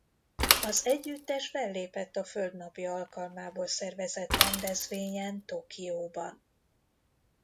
Az együttes fellépett A Föld Napja alkalmából szervezett rendezvényen Tokióban.